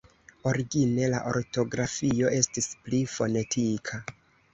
Origine, la ortografio estis pli fonetika.